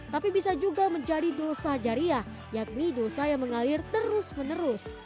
tapi bisa juga menjadi dosa jariah yakni dosa yang mengalir terus menerus